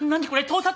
盗撮？